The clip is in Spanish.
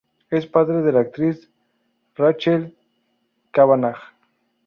Es padre de la actriz Rachel Kavanagh.